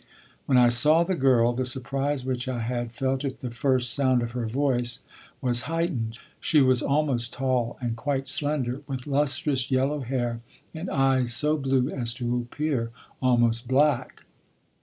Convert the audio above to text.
When I saw the girl, the surprise which I had felt at the first sound of her voice was heightened; she was almost tall and quite slender, with lustrous yellow hair and eyes so blue as to appear almost black.